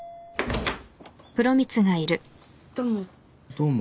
・どうも。